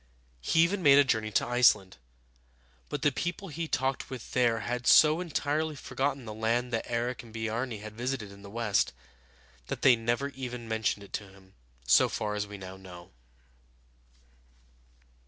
He even made a journey to Iceland; but the people he talked with there had so entirely forgotten the land that Eric and Biarni had visited in the west, that they never even mentioned it to him, so far as we now know.